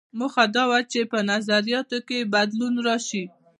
موخه دا وه چې په نظریاتو کې یې بدلون راشي.